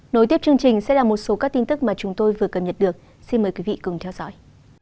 nối tiếp chương trình sẽ là một số các tin tức mà chúng tôi vừa cập nhật được xin mời quý vị cùng theo dõi